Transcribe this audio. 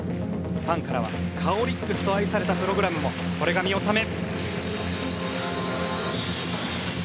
ファンからは「カオリックス」と愛されたプログラムもこれが見納め。